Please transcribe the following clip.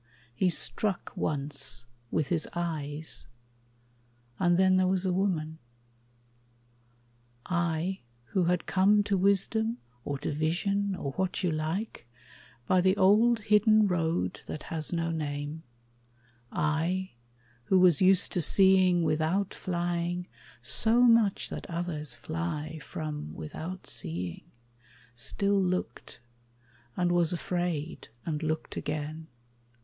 He struck once with his eyes, And then there was a woman. I, who had come To wisdom, or to vision, or what you like, By the old hidden road that has no name, I, who was used to seeing without flying So much that others fly from without seeing, Still looked, and was afraid, and looked again.